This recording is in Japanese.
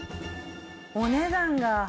お値段が。